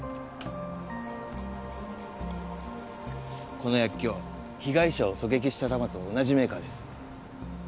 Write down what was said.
この薬莢被害者を狙撃した弾と同じメーカーです。